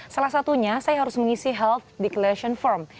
salah satunya saya harus mengisi health declation form